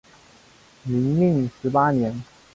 明命十八年。